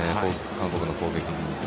韓国の攻撃に。